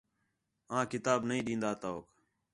آں کتاب نہیں ݙین٘داں تؤک